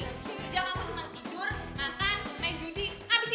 kerja kamu cuma tidur makan main judi